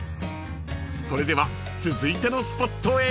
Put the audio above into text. ［それでは続いてのスポットへ］